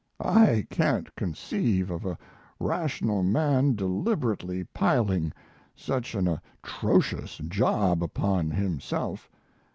I can't conceive of a rational man deliberately piling such an atrocious job upon himself.